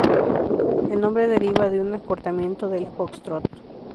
El nombre deriva de un acortamiento del "foxtrot".